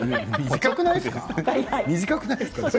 短くないですか？